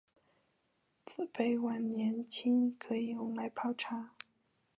紫背万年青可以用来泡茶。